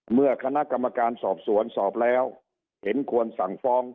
เมื่อคณะกรรมการสอบสวนสอบแล้วเห็นควรสั่งฟ้อง